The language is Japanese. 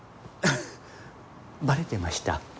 バレてました？